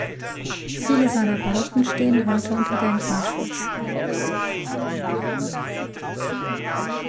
Viele seiner Bauten stehen heute unter Denkmalschutz.